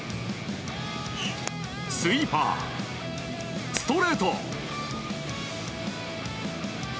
スイーパー、ストレート。